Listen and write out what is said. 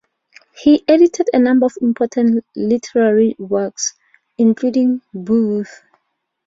He edited a number of important literary works, including "Beowulf".